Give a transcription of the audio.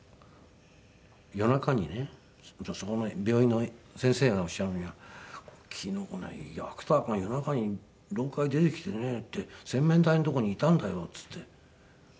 夜中にねそこの病院の先生がおっしゃるには「昨日芥川さんが夜中に廊下へ出てきてね」って「洗面台の所にいたんだよ」って言って。